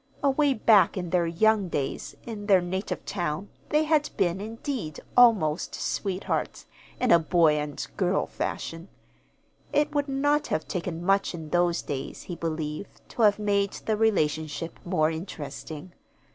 Away back in their young days in their native town they had been, indeed, almost sweethearts, in a boy and girl fashion. It would not have taken much in those days, he believed, to have made the relationship more interesting.